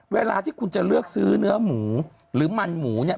เวลาที่คุณจะเลือกซื้อเนื้อหมูหรือมันหมูเนี่ย